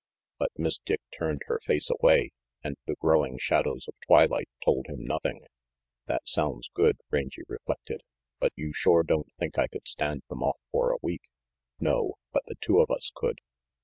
But Miss Dick turned her face away and the growing shadows of twilight told him nothing, "That sounds good," Rangy reflected, "but you shore don't think I could stand them off for a week?" "No. But the two of us could."